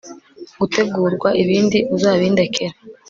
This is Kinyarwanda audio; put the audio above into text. gutegurwa ibindi uzabindekere